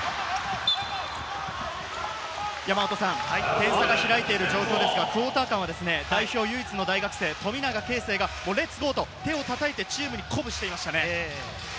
点差が開いている状況ですが、クオーター間は代表唯一の大学生、富永啓生がレッツゴー！と手をたたいて、チームを鼓舞していました。